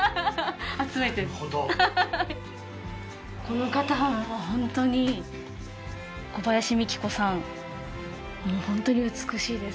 この方は本当に小林三貴子さん